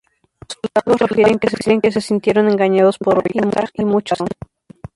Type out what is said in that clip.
Los soldados refieren que se sintieron engañados por Ollanta, y muchos se asustaron.